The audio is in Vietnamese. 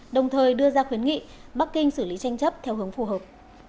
đồng thời đưa ra khuyến nghị bắc kinh xử lý tranh chấp theo hướng phù hợp